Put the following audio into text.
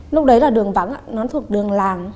lúc đấy là đường vắng nó thuộc đường làm